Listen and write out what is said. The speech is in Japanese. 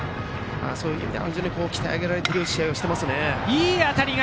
そういう意味で非常に鍛え上げられている試合をしていますね。